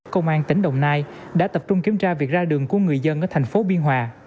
công an tỉnh đồng nai đã tập trung kiểm tra việc ra đường của người dân ở thành phố biên hòa